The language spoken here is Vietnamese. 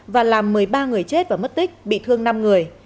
và làm một mươi ba người chết và mất tích bị thương năm người